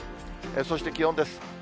そして気温です。